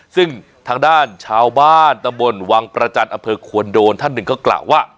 ซึ่งทางด้านชาวบ้านตำบลวังประจันทร์อำเภอควนโดนท่านหนึ่งก็กล่าวว่า